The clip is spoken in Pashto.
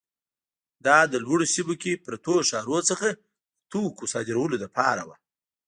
دا له لوړو سیمو کې پرتو ښارونو څخه د توکو صادرولو لپاره وه.